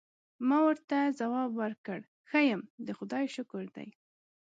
ما ورته ځواب ورکړ: ښه یم، د خدای شکر دی.